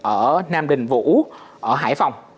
ở nam đình vũ ở hải phòng